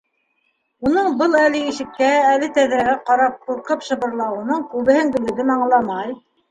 Уның был әле ишеккә, әле тәҙрәгә ҡарап ҡурҡып шыбырлауының күбеһен Гөлйөҙөм аңламай.